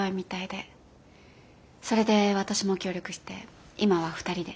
それで私も協力して今は２人で。